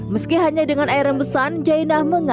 meski hanya dengan air rembesan